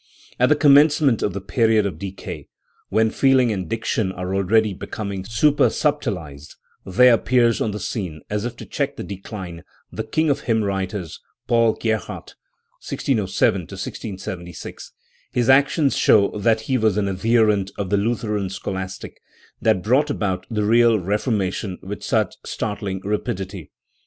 At the commencement of the period of decay, when feeling and diction are already becoming super subtilised, there appears on the scene, as if to check the decline, the king of hymn writers, Paul Gerhardt (1607 1676). His actions show that he was an adherent of the Lutheran scholastic, that brought about the real Reformation with such startling rapidity.